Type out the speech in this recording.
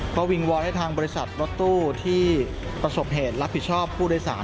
ก็วิงวอนให้ทางบริษัทรถตู้ที่ประสบเหตุรับผิดชอบผู้โดยสาร